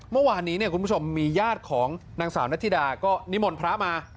เมื่อวานนี้คุณผู้ชมมีญาติของนางสาวนัทธิดาก็นิมนต์พระมา